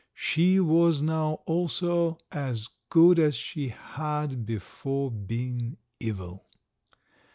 She was now also as good as she had before been evil.